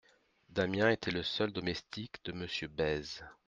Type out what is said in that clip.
Damiens était le seul domestique de Monsieur Bèze.